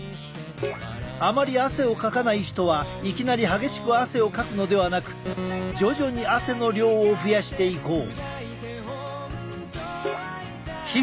あまり汗をかかない人はいきなり激しく汗をかくのではなく徐々に汗の量を増やしていこう。